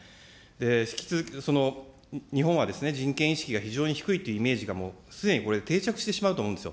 引き続き、日本は人権意識が非常に低いとイメージがもうすでにこれ、定着してしまうと思うんですよ。